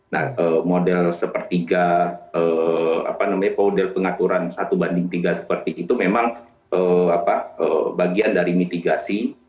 nah model sepertiga model pengaturan satu banding tiga seperti itu memang bagian dari mitigasi